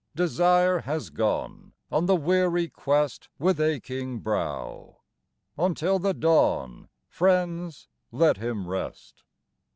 Desire has gone On the weary quest With aching brow; Until the dawn, Friends, let him rest.